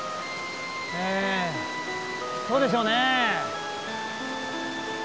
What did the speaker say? ええそうでしょうね。